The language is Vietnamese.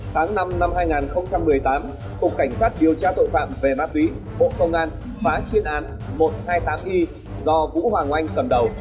tháng năm năm hai nghìn một mươi tám cục cảnh sát điều tra tội phạm về ma túy bộ công an phá chuyên án một trăm hai mươi tám y do vũ hoàng oanh cầm đầu